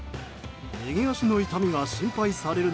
右足の痛みが心配される